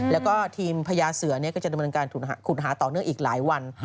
แล้วก็ทีมพญาเสือก็จะดำเนินการขุดหาต่อเนื่องอีกหลายวัน